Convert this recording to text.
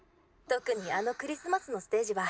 「特にあのクリスマスのステージは」。